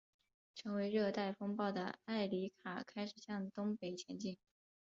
成为热带风暴的埃里卡开始向东北前进。